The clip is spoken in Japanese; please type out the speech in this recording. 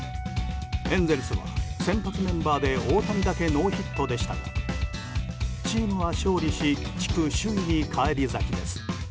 エンゼルスは先発メンバーで大谷だけノーヒットでしたがチームは勝利し地区首位に返り咲きです。